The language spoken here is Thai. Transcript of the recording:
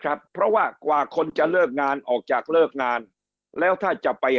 ครับเพราะว่ากว่าคนจะเลิกงานออกจากเลิกงานแล้วถ้าจะไป